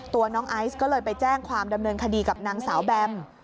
ตัวน้องไอซ์ก็เลยไปแจ้งความดำเนินคดีกับนางสาวแบม